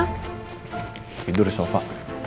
tidur di sofa